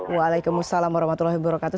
waalaikumsalam warahmatullahi wabarakatuh